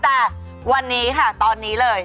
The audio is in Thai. แต่วันนี้ค่ะตอนนี้เลย